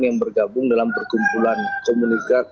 yang bergabung dalam perkumpulan komunitas